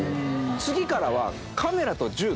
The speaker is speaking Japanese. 次からは。